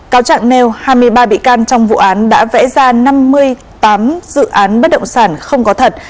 cáo trạng nêu hai mươi ba bị can trong vụ án đã vẽ ra năm mươi tám dự án bất động sản không có thật